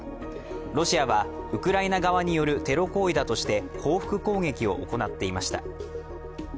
ロシアはウクライナ側によるテロ行為だとして報復攻撃を行っていました。